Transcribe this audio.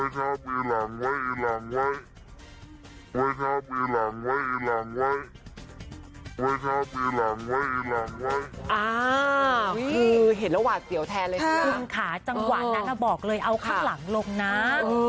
คือเห็นระหว่างเสี่ยวแทนเลยสิครับจังหวะนั้นเราบอกเลยเอาข้างหลังลงน้ำ